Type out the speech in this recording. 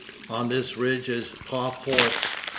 On this ridge is the Pas fort.